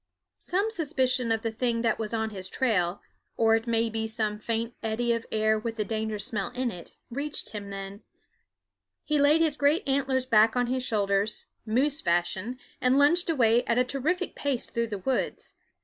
Some suspicion of the thing that was on his trail, or it may be some faint eddy of air with the danger smell in it, reached him then; he laid his great antlers back on his shoulders, moose fashion, and lunged away at a terrific pace through the woods.